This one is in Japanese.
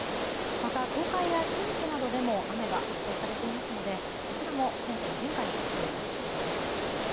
また、東海や近畿などでも雨が予想されていますのでこちらも天気の変化に注意が必要です。